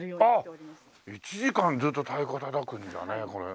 １時間ずっと太鼓たたくんだねこれ。